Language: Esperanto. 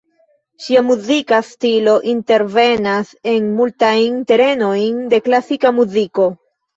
Ŝia muzika stilo intervenas en multajn terenojn de klasika muziko.